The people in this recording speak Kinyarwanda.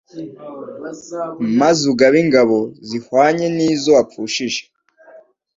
maze ugabe ingabo zihwanye n izo wapfushije